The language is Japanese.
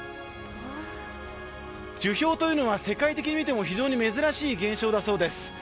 樹氷というのは世界的に見ても非常に珍しい現象だそうです。